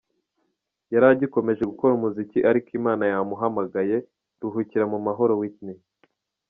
Yari agikomeje gukora umuziki ,ariko Imana yamuhamagaye! Ruhukira mu mahoro Whitney!”.